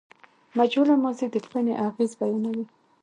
مجهوله ماضي د کړني اغېز بیانوي.